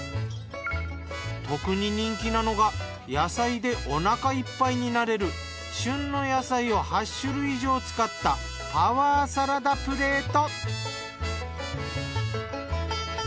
特に人気なのが野菜でお腹いっぱいになれる旬の野菜を８種類以上使ったパワーサラダプレート。